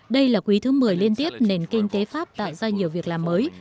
đây là quý thứ một mươi liên tiếp nền kinh tế pháp tạo ra nhiều việc làm mới